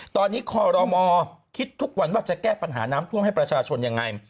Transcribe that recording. ตอนนี้คอรมอคิดทุกวันว่าจะแก้ปัญหาน้ำท่วมให้ประชาชนยังไง